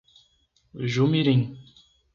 Jumirim